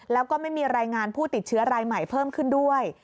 แล้วก็ไม่มีรายงานผู้ติดเชื้อรายใหม่เพิ่มขึ้นด้วย